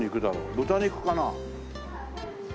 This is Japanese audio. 豚肉かな。